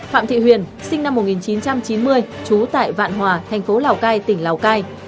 phạm thị huyền sinh năm một nghìn chín trăm chín mươi trú tại vạn hòa thành phố lào cai tỉnh lào cai